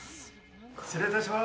失礼いたします。